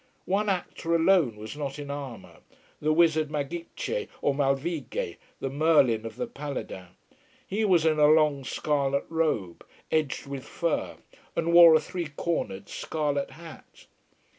One actor alone was not in armour, the wizard Magicce, or Malvigge, the Merlin of the Paladins. He was in a long scarlet robe, edged with fur, and wore a three cornered scarlet hat.